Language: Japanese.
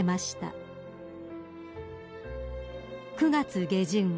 ［９月下旬］